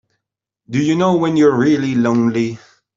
Do you know when you're really lonely?